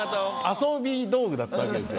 遊び道具だったわけですよ。